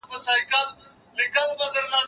هغه څوک چي کتاب ليکي پوهه زياتوي!.